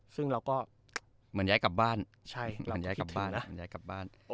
ซึ่งเราก็ใช่เราก็คิดถึงนะ